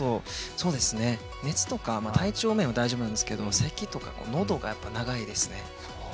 熱とか体調面は大丈夫なんですけど、咳とか喉が長いですね。